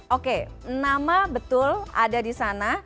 oke nama betul ada di sana